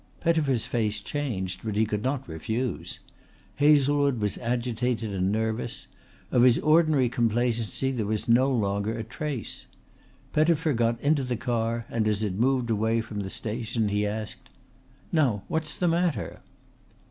Pettifer's face changed, but he could not refuse. Hazlewood was agitated and nervous; of his ordinary complacency there was no longer a trace. Pettifer got into the car and as it moved away from the station he asked: "Now what's the matter?"